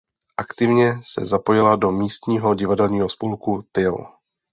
Aktivně se zapojila do místního divadelního spolku Tyl.